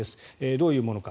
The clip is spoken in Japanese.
どういうものか。